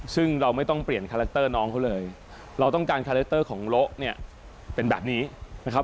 ซึ่งเราไม่ต้องเปลี่ยนคาแรคเตอร์น้องเขาเลยเราต้องการคาแรคเตอร์ของโละเนี่ยเป็นแบบนี้นะครับ